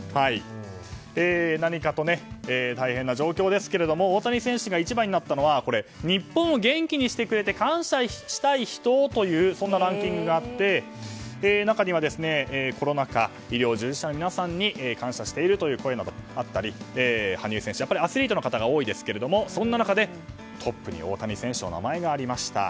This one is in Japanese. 何かと大変な状況ですけども大谷選手が一番になったのは日本を元気にしてくれて感謝したい人というランキングがあって中にはコロナ禍医療従事者の皆さんに感謝しているという声などもあったり羽生選手、やっぱりアスリートの方が多いですけどそんな中、トップに大谷選手の名前がありました。